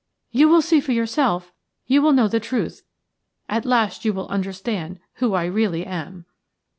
You will see for yourself, you will know the truth. At last you will understand who I really am."